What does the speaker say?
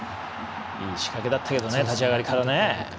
いい仕掛けだったけどね立ち上がりからね。